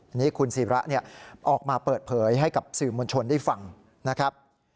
ทีนี้คุณศิระออกมาเปิดเผยให้กับสื่อมวลชนได้ฟังนะครับ